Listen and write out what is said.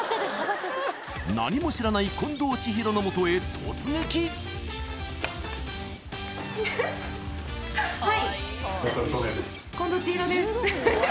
何も知らない近藤千尋のもとへ突撃はい